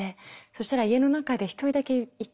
そしたら家の中で１人だけいて。